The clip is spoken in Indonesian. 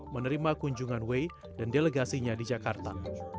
menerima kunjungan way dan delegasinya di jakarta